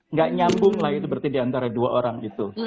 nggak nyambung lah itu berarti diantara dua orang itu